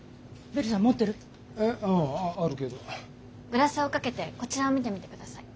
グラスをかけてこちらを見てみてください。